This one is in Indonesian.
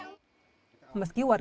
meski warga sudah mencari aliran air